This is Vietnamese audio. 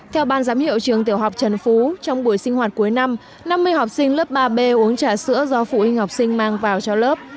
theo ban giám hiệu trường tiểu học trần phú trong buổi sinh hoạt cuối năm năm mươi học sinh lớp ba b uống trà sữa do phụ huynh học sinh mang vào cho lớp